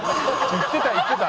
言ってた言ってた。